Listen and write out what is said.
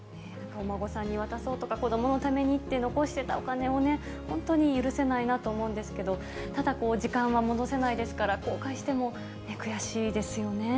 お孫さんに渡そうとか、子どものためにって残してたお金をね、本当に許せないなと思うんですけど、ただ時間は戻せないですから、後悔しても悔しいですよ